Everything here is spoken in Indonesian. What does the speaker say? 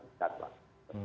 insya allah kita terjaga